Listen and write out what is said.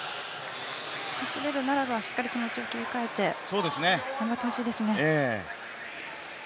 走れるならしっかりと気持ちを切り替えて頑張ってほしいですね。